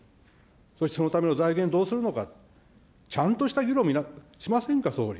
そしてそのための財源どうするのか、ちゃんとした議論をしませんか、総理。